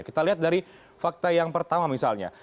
kita lihat dari fakta yang pertama misalnya